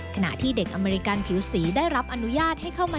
ขณะที่เด็กอเมริกันผิวสีได้รับอนุญาตให้เข้ามา